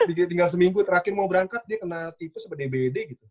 tinggal seminggu terakhir mau berangkat dia kena tipe sama dbd gitu